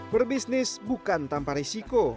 berbisnis bukan tanpa risiko